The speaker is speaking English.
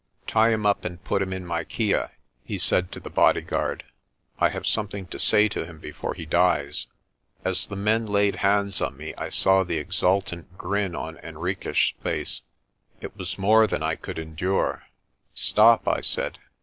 Tie him up and put him in my kya," he said to the bodyguard. "I have something to say to him before he dies." As the men laid hands on me I saw the exultant grin on Henriques' face. It was more than I could endure. "Stop!" I said.